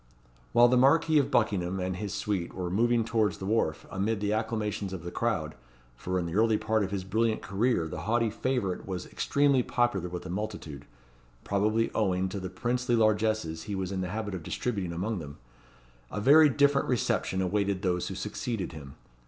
While the Marquis of Buckingham and his suite were moving towards the wharf, amid the acclamations of the crowd (for in the early part of his brilliant career the haughty favourite was extremely popular with the multitude, probably owing to the princely largesses he was in the habit of distributing among them), a very different reception awaited those who succeeded him.